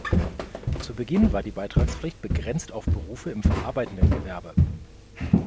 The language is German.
Zu Beginn war die Beitragspflicht begrenzt auf Berufe im verarbeitenden Gewerbe.